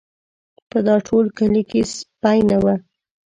په دا ټول کلي کې سپی نه و.